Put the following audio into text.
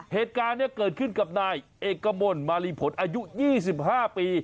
เหตุการณ์นี้เกิดขึ้นกับนายเอกมลมารีผลอายุ๒๕ปี